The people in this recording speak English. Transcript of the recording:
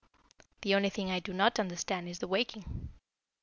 The only thing I do not understand is the waking.